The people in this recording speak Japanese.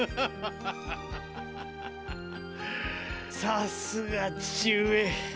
さすが義父上。